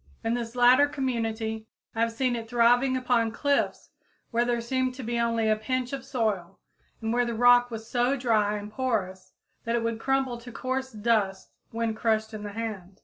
In this latter community I have seen it thriving upon cliffs where there seemed to be only a pinch of soil, and where the rock was so dry and porous that it would crumble to coarse dust when crushed in the hand.